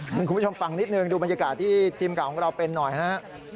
คุณผู้ชมฟังนิดนึงดูบรรยากาศที่ทีมข่าวของเราเป็นหน่อยนะครับ